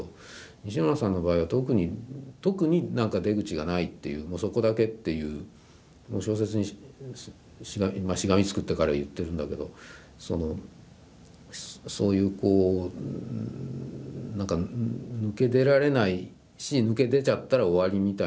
西村さんの場合は特に特になんか出口がないっていうもうそこだけっていうもう小説にしがみつくって彼は言ってるんだけどそのそういうこうなんか抜け出られないし抜け出ちゃったら終わりみたいな。